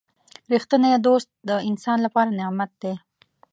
• رښتینی دوست د انسان لپاره نعمت دی.